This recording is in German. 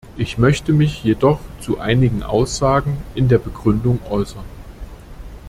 Ich möchte mich jedoch zu einigen Aussagen in der Begründung äußern.